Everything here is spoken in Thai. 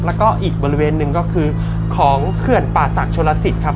แล้วก็อีกบริเวณหนึ่งก็คือของเขื่อนป่าศักดิ์ชนลสิตครับ